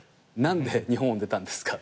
何で日本を出たんですか？